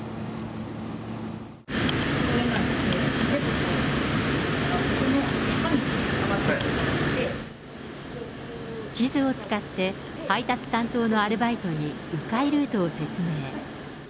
通れないので、地図を使って、配達担当のアルバイトに、う回ルートを説明。